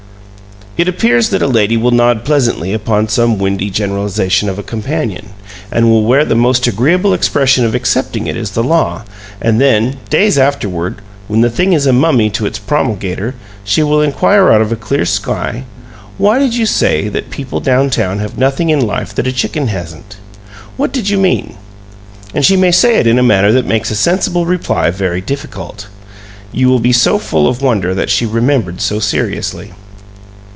It appears that a lady will nod pleasantly upon some windy generalization of a companion, and will wear the most agreeable expression of accepting it as the law, and then days afterward, when the thing is a mummy to its promulgator she will inquire out of a clear sky: "WHY did you say that the people down town have nothing in life that a chicken hasn't? What did you mean?" And she may say it in a manner that makes a sensible reply very difficult you will be so full of wonder that she remembered so seriously.